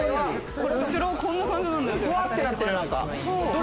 後ろ、こんな感じなんですよ。